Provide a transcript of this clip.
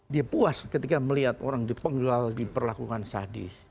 dia puas ketika melihat orang dipenggal diperlakukan sadis